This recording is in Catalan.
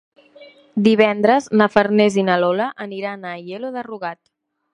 Divendres na Farners i na Lola aniran a Aielo de Rugat.